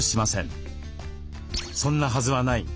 「そんなはずはない。